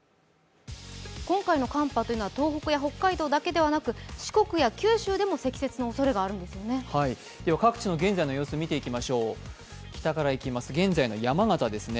今回の寒波は東北や北海道だけでなく、四国や九州でも積雪のおそれがあるんですよね。